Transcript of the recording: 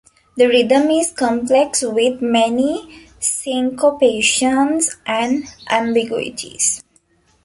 The rhythm is complex with many syncopations and ambiguities.